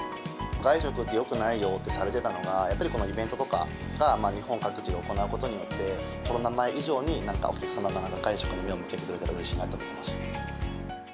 外食ってよくないよってされてたのが、やっぱりこのイベントとかが日本各地で行うことによって、コロナ前以上に、なんかお客様が外食に目を向けてくれたらうれしいなと思ってます。